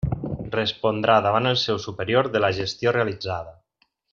Respondrà davant el seu superior de la gestió realitzada.